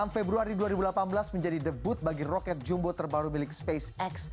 enam februari dua ribu delapan belas menjadi debut bagi roket jumbo terbaru milik spacex